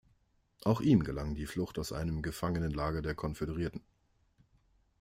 Auch ihm gelang die Flucht aus einem Gefangenenlager der Konföderierten.